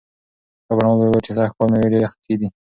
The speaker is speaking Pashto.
هغه بڼوال وویل چې سږکال مېوې ډېرې ښې دي.